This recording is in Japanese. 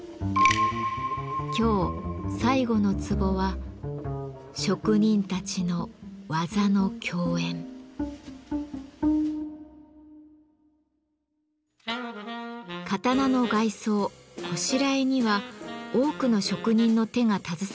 今日最後のツボは刀の外装「拵」には多くの職人の手が携わっています。